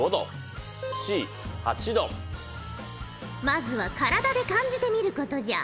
まずは体で感じてみることじゃ。